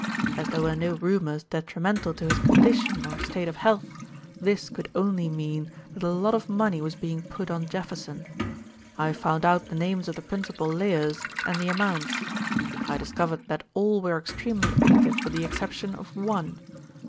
As there were no rumours detrimental to his condition or state of health, this could only mean that a lot of money was being put on Jefferson. I found out the names of the principal layers and the amounts. I discovered that all were extremely active with the exception of one.